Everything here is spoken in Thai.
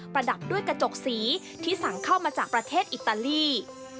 ระดับด้วยกระจกสีที่สั่งเข้ามาจากประเทศอิตาลี